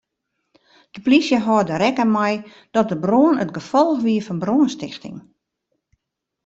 De plysje hâldt der rekken mei dat de brân it gefolch wie fan brânstichting.